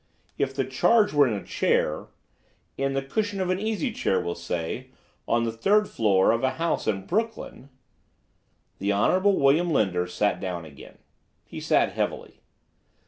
"If the charge were in a chair, in the cushion of an easy chair, we'll say, on the third floor of a house in Brooklyn—" The Honorable William Linder sat down again. He sat heavily.